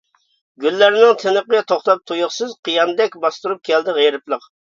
گۈللەرنىڭ تىنىقى توختاپ تۇيۇقسىز، قىياندەك باستۇرۇپ كەلدى غېرىبلىق.